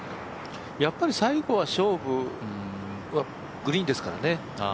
やっぱり最後勝負はグリーンですからね。